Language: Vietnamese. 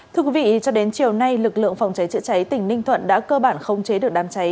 thưa quý vị cho đến chiều nay lực lượng phòng cháy chữa cháy tỉnh ninh thuận đã cơ bản không chế được đám cháy